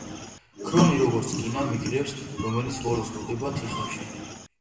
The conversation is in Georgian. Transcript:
ქრომი როგორც რკინა მიგრირებს, რომელიც ბოლოს გროვდება თიხებში.